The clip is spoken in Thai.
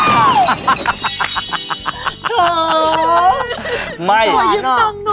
โตะไยนกนอก